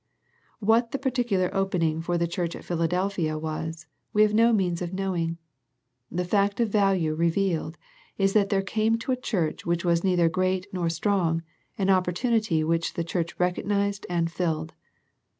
What the particular opening for the church at Philadelphia was, we have no means of knowing. The fact of value revealed is that there came to a church which was neither great nor strong, an opportunity which the church recognized and filled.